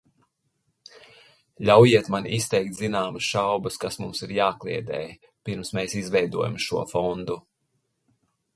Ļaujiet man izteikt zināmas šaubas, kas mums ir jākliedē, pirms mēs izveidojam šo fondu.